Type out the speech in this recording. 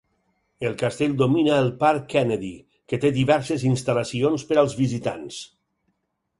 El castell domina el parc Kennedy, que té diverses instal·lacions per als visitants.